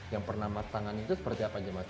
yang pernah matangan itu seperti apa aja mas